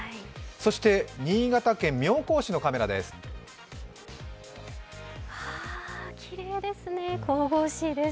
そして新潟県妙高市のカメラです。